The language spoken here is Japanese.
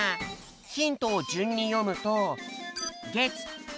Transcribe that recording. ヒントをじゅんによむと。